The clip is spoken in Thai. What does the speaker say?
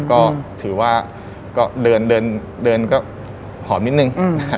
ก็ถือว่าเดินก็หอมนิดนึง